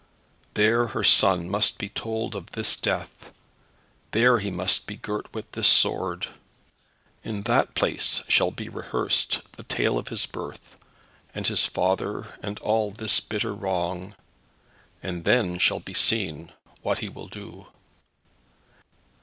There her son must be told of this death; there he must be girt with this sword. In that place shall be rehearsed the tale of his birth, and his father, and all this bitter wrong. And then shall be seen what he will do.